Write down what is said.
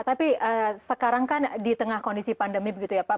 tapi sekarang kan di tengah kondisi pandemi begitu ya pak